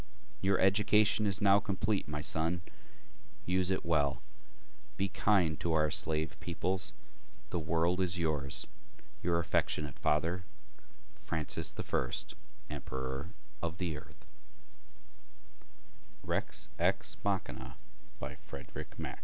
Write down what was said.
Your education is now complete my son, use it well. Be kind to our slave peoples, the world is yours. Your affectionate father, FRANCIS I EMPEROR OF THE EARTH Transcriber's Note: This etext was prod